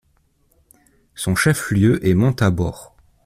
Son chef lieu est Montabaur.